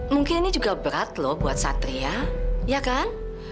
mungkin ini juga berat loh buat satria ya kan